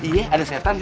yang mana setannya